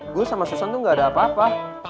gue sama susan tuh gak ada apa apa